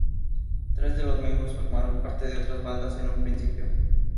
Tres de los miembros formaron parte de otras bandas en un principio.